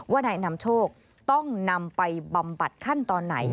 ว่านายนำโชคต้องนำไปบำบัดขั้นตอนไหน